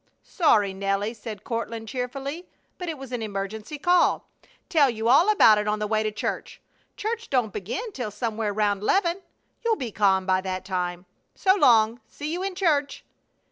"Sorry, Nelly," said Courtland, cheerfully, "but it was an emergency call. Tell you about it on the way to church. Church don't begin till somewhere round 'leven. You'll be calm by that time. So long! See you in church!"